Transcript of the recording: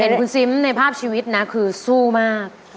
เห็นคุณซิมในภาพชีวิตนะคือสู้มาก